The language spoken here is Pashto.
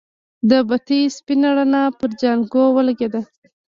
د بتۍ سپينه رڼا پر جانکو ولګېده.